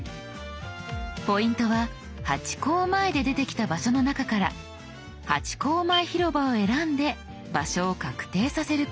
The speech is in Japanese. ポイントは「ハチ公前」で出てきた場所の中から「ハチ公前広場」を選んで場所を確定させること。